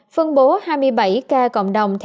phân bố hai mươi bảy ca cộng đồng